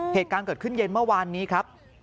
เหตุการณ์เกิดขึ้นเย็นเมื่อวานนี้ครับ